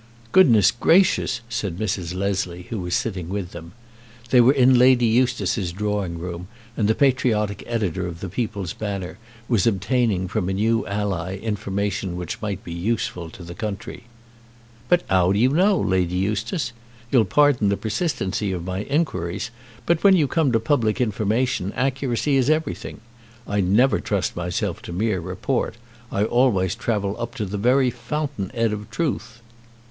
"Goodness gracious!" said Mrs. Leslie, who was sitting with them. They were in Lady Eustace's drawing room, and the patriotic editor of the "People's Banner" was obtaining from a new ally information which might be useful to the country. "But 'ow do you know, Lady Eustace? You'll pardon the persistency of my inquiries, but when you come to public information accuracy is everything. I never trust myself to mere report. I always travel up to the very fountain 'ead of truth."